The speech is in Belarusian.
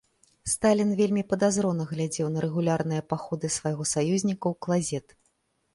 Сталін вельмі падазрона глядзеў на рэгулярныя паходы свайго саюзніка ў клазет.